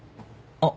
あっ。